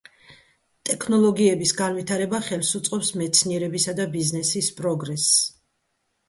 ტექნოლოგიების განვითარება ხელს უწყობს მეცნიერებისა და ბიზნესის პროგრესს.